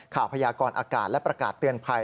พยากรอากาศและประกาศเตือนภัย